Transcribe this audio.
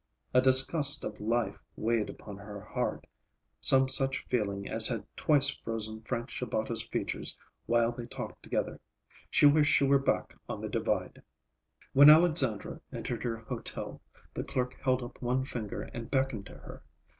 A disgust of life weighed upon her heart; some such feeling as had twice frozen Frank Shabata's features while they talked together. She wished she were back on the Divide. When Alexandra entered her hotel, the clerk held up one finger and beckoned to her.